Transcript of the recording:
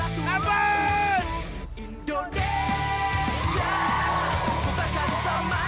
apa itu yang kita buat tadi pak